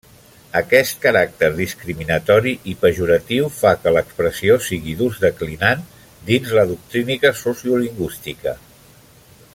Aquest caràcter discriminatori i pejoratiu fa que l’expressió sigui d’ús declinant dins la doctrina sociolingüística.